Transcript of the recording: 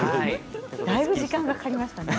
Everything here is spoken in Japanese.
だいぶ時間がかかりました。